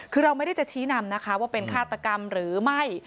คือเราไม่ได้จะชี้นำนะคะว่าเป็นฆาตกรรมหรือไม่